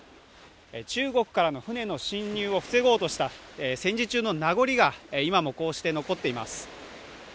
中国からの船の侵入を防ごうとした戦時中のなごりが今もこうして残っています。